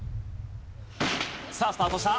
さあスタートした。